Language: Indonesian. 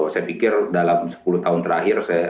saya pikir dalam sepuluh tahun terakhir